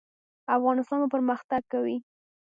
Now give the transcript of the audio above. افغانستان به پرمختګ کوي؟